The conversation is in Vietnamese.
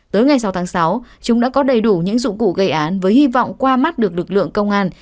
tới ngày sáu tháng sáu chúng đã có đầy đủ những dụng cụ gây án với hy vọng qua mắt được lực lượng công an